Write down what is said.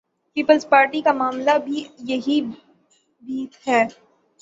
Peoples Party کا معاملہ بھی یہی بھی ہے۔